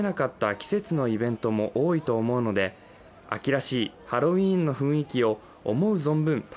季節のイベントも多いと思うので秋らしいハロウィーンの雰囲気をイーピーエスとは？